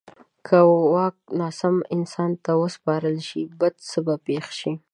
که واک ناسم انسان ته وسپارل شي، بد څه به پېښ شي.